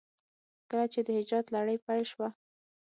کله چې د هجرت لړۍ پيل شوه.